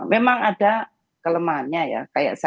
memang ada kelemahannya ya